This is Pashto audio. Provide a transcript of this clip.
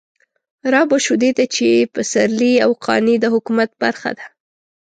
رابه شو دې ته چې پسرلي او قانع د حکومت برخه ده.